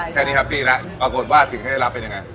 แคคลีฮะปีและปรากฎว่าสิ่งอะไรไปยังไง